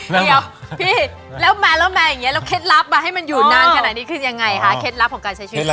เดี๋ยวพี่แล้วมาแล้วมาอย่างนี้แล้วเคล็ดลับมาให้มันอยู่นานขนาดนี้คือยังไงคะเคล็ดลับของการใช้ชีวิต